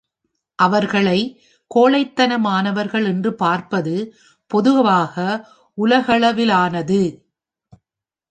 அவர்களை கோழைத்தனமானவர்கள் என்று பார்ப்பது பொதுவாக உலகளவிலானது.